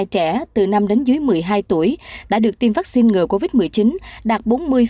một trăm hai mươi hai chín trăm năm mươi hai trẻ từ năm đến dưới một mươi hai tuổi đã được tiêm vaccine ngừa covid một mươi chín đạt bốn mươi năm